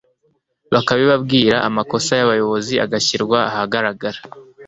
bakabibabwira, amakosa y'abayobozi agashyirwa ahagaragara